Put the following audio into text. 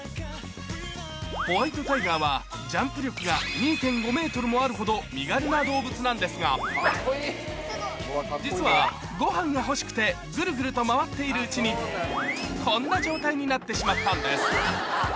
ホワイトタイガーは身軽な動物なんですが実はご飯が欲しくてぐるぐると回っているうちにこんな状態になってしまったんです